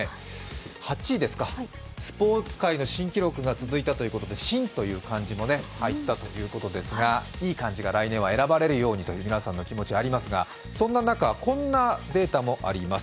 ８位ですか、スポーツ界の新記録が続いたということで「新」も入ったということですが、いい漢字が来年は選ばれるようにという皆さんの気持ちがありますが、そんな中、こんなデータもあります。